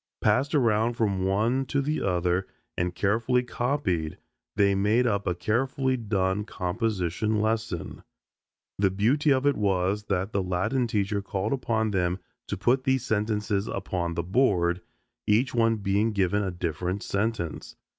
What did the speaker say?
Passed around from one to the other and carefully copied they made up a carefully done composition lesson. The beauty of it was that the Latin teacher called upon them to put these sentences upon the board, each one being given a different sentence.